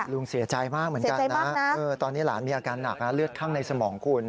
ลุงเสียใจมากเหมือนกันนะตอนนี้หลานมีอาการหนักนะเลือดข้างในสมองคุณ